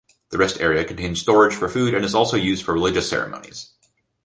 The rest area contains storage for food and is also used for religious ceremonies.